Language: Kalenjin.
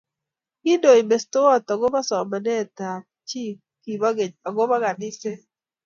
Kindoi mestowot akobo somanet ab chi kibo geny akobo kaniset